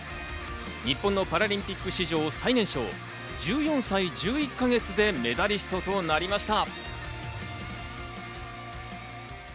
日本のパラリンピック史上最年少、１４歳１１か月でメダリストとなりました。